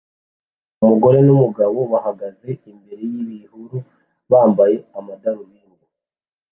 Umugore numugabo bahagaze imbere yibihuru bambaye amadarubindi